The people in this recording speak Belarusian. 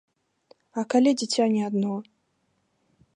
А калі дзіця не адно?